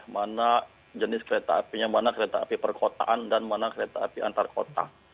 mana jenis kereta apinya mana kereta api perkotaan dan mana kereta api antar kota